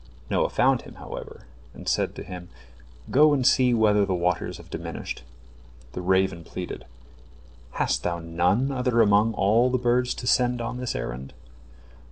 Noah found him, however, and said to him, "Go and see whether the waters have diminished." The raven pleaded: "Hast thou none other among all the birds to send on this errand?"